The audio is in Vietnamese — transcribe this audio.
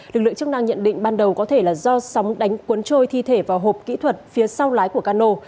lực lượng chức năng nhận định ban đầu có thể là do sóng đánh cuốn trôi thi thể vào hộp kỹ thuật phía sau lái của cano